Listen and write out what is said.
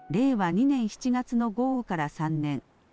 ２年７月の豪雨から３年。